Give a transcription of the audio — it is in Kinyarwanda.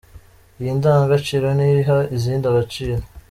Iyi ndangagaciro ni yo iha izindi agaciro.